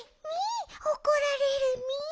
ミおこられるミ。